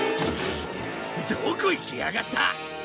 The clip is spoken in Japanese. どこ行きやがった！